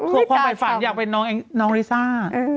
ส่วนความฝ่ายฝันอยากเป็นน้องลิซ่า